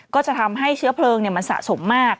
ก็จะทำให้เชื้อเพลิงมันสะสมมาก